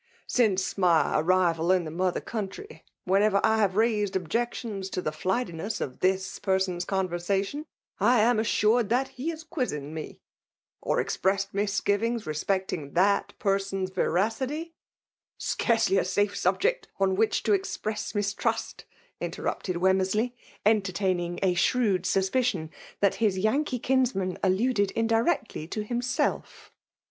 " Since my arrival in the mothe]: co^untry« whenever I have raised obj^tions to the flightiness of this person's conversation, I am assured that he is quizzing me ; or expressed misgivings respecting Ma^person^s veracity" —" Scarcely a safe subject on which to <;x]^css mistrust/* interrupted Weijimersley* enter taining a shrewd suspicion that bis Yanjceo 'kinsman alluded indirectly to ]iimself.